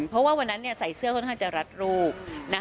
เพราะว่าวันนั้นใส่เสื้อค่อนข้างจะรัดรูป